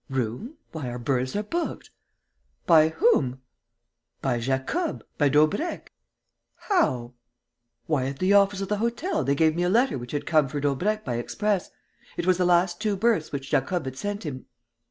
"Room? Why, our berths are booked!" "By whom?" "By Jacob ... by Daubrecq." "How?" "Why, at the office of the hotel they gave me a letter which had come for Daubrecq by express. It was the two berths which Jacob had sent him.